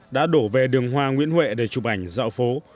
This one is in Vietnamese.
đã đổ về đường hoa nguyễn huệ để chụp ảnh dạo phố